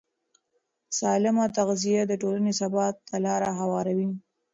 سالمه تغذیه د ټولنې ثبات ته لاره هواروي.